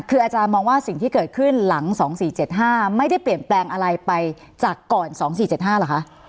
คืออาจารย์มองว่าสิ่งที่เกิดขึ้นหลังสองสี่เจ็ดห้าไม่ได้เปลี่ยนแปลงอะไรไปจากก่อนสองสี่เจ็ดห้าหรอคะ